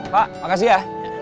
pak makasih ya